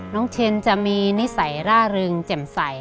เชนจะมีนิสัยร่าเริงแจ่มใส